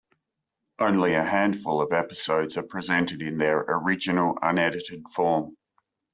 Only a handful of episodes are presented in their original unedited form.